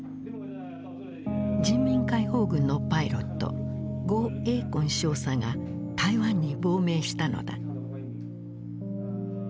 人民解放軍のパイロット呉栄根少佐が台湾に亡命したのだ。